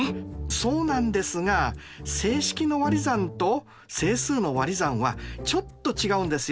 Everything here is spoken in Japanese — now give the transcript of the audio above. そうなんですが整式のわり算と整数のわり算はちょっと違うんですよ！